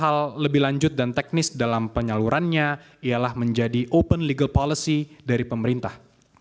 menjadikan kemampuan bahan sos teknis dalam penyalurannya ialah menjadi open legal policy dari pemerintah